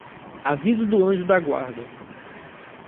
Aviso do anjo da guarda